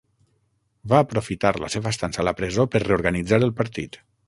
Va aprofitar la seva estança a la presó per reorganitzar el partit.